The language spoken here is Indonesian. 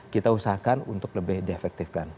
kita usahakan untuk lebih di efektifkan